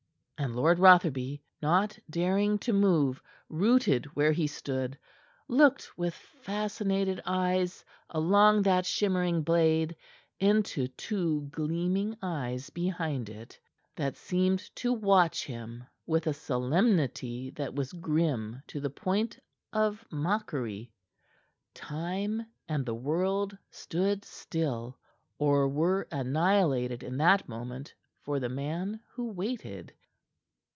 And Lord Rotherby, not daring to move, rooted where he stood, looked with fascinated eyes along that shimmering blade into two gleaming eyes behind it that seemed to watch him with a solemnity that was grim to the point of mockery. Time and the world stood still, or were annihilated in that moment for the man who waited.